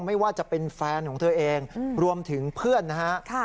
ไม่ว่าจะเป็นแฟนของเธอเองรวมถึงเพื่อนนะฮะ